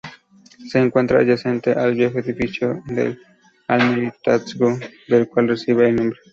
Se encuentra adyacente al viejo edificio del Almirantazgo, del cual recibe el nombre.